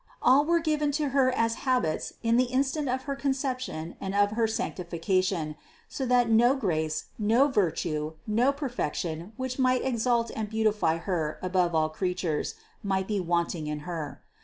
All were given to Her as habits in the instant of her Conception and of her sancti fication so that no grace, no virtue, no perfection which might exalt and beautify Her above all creatures, might be wanting in Her.